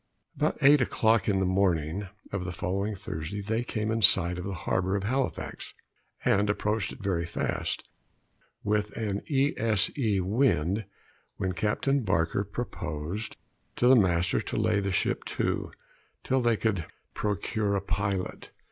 About eight o'clock in the morning of the following Thursday they came in sight of the harbor of Halifax, and approached it very fast, with an E. S. E. wind, when Captain Barker proposed to the master to lay the ship to, till they could procure a pilot.